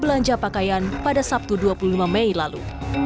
belanja pakaian pada sabtu dua puluh lima mei lalu